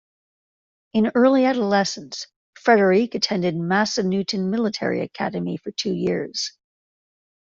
In early adolescence, Frederick attended Massanutten Military Academy for two years.